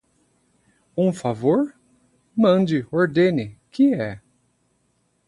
Um favor? Mande, ordene, que é?